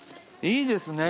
いいですね